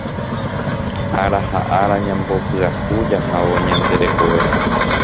ára ha ára ñambopyahu jahávo ñande rekove